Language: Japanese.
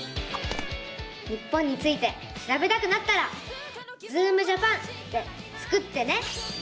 日本についてしらべたくなったら「ズームジャパン」でスクってね！